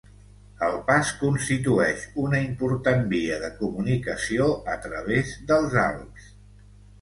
El pas constitueix una important via de comunicació a través dels Alps.